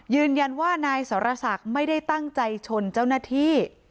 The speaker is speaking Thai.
ยืนยันว่านายสรศักดิ์ไม่ได้ตั้งใจชนเจ้าหน้าที่